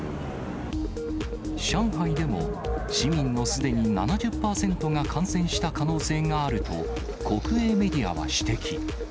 上海でも、市民のすでに７０％が感染した可能性があると、国営メディアは指摘。